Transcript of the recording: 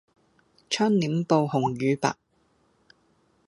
窗簾布紅與白